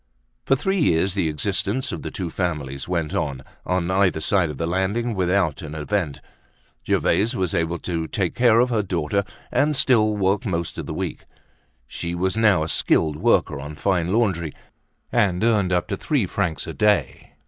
For three years the existence of the two families went on, on either side of the landing, without an event. Gervaise was able to take care of her daughter and still work most of the week. She was now a skilled worker on fine laundry and earned up to three francs a day.